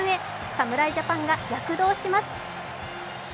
侍ジャパンが躍動します。